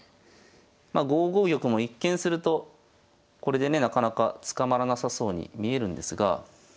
まあ５五玉も一見するとこれでねなかなか捕まらなさそうに見えるんですが。